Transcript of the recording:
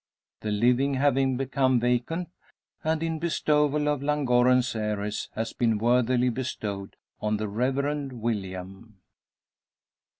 The living having become vacant, and in the bestowal of Llangorren's heiress, has been worthily bestowed on the Reverend William.